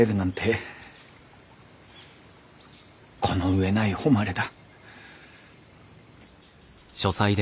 この上ない誉れだ。